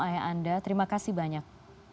ayah anda terima kasih banyak